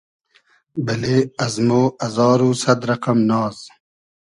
بئلې از مۉ ازار و سئد رئقئم ناز